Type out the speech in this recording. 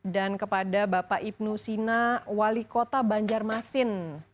dan kepada bapak ibnu sina wali kota banjarmasin